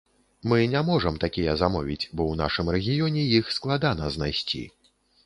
Мы не можам такія замовіць, бо ў нашым рэгіёне іх складана знайсці.